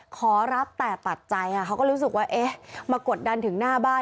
ขอรับแต่ปัจจัยเขาก็รู้สึกว่าเอ๊ะมากดดันถึงหน้าบ้าน